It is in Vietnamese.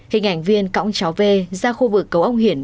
hình ảnh viên cõng cháu vê ra khu vực cầu ông hiền